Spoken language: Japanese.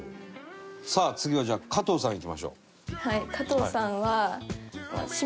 さあ次はじゃあ加藤さんいきましょう。